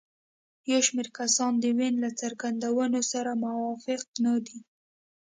یو شمېر کسان د وین له څرګندونو سره موافق نه دي.